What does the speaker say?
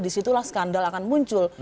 disitulah skandal akan muncul